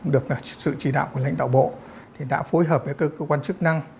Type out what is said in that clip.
được sự chỉ đạo của lãnh đạo bộ đã phối hợp với cơ quan chức năng